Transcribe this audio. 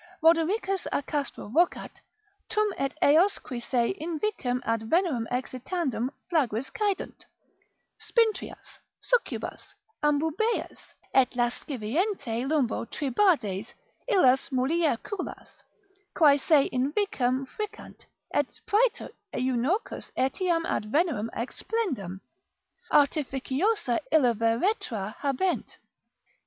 Rodericus a Castro vocat, tum et eos qui se invicem ad Venerem excitandam flagris caedunt, Spintrias, Succubas, Ambubeias, et lasciviente lumbo Tribades illas mulierculas, quae se invicem fricant, et praeter Eunuchos etiam ad Venerem explendam, artificiosa illa veretra habent.